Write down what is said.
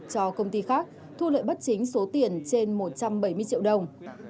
cho công ty khác thu lợi bất chính số tiền trên một trăm bảy mươi triệu đồng